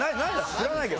知らないけど。